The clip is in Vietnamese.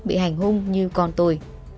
bị hành hung như con tôi